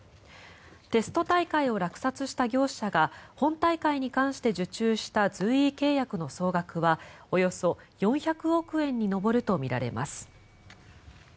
テスト大会を落札した業者が本大会に関して受注した随意契約の総額はおよそ４００億円に上るとみられます。